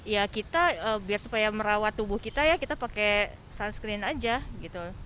ya kita biar supaya merawat tubuh kita ya kita pakai sunscreen aja gitu